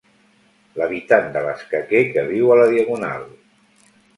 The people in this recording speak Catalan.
L'habitant de l'escaquer que viu a la Diagonal.